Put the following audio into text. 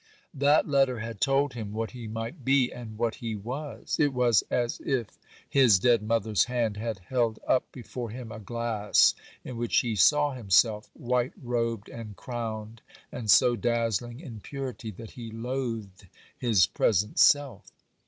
That letter had told him what he might be, and what he was. It was as if his dead mother's hand had held up before him a glass in which he saw himself, white robed and crowned, and so dazzling in purity that he loathed his present self.